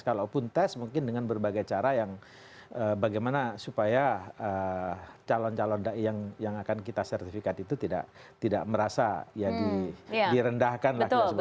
kalaupun tes mungkin dengan berbagai cara yang bagaimana supaya calon calon dai yang akan kita sertifikat itu tidak merasa direndahkan